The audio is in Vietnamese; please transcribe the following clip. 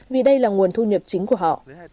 vì đây là nguồn thu nhập chính của họ